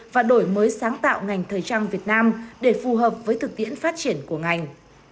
và đổi mới sáng tạo ngành thời trang việt nam để phù hợp với thực tiễn phát triển của ngành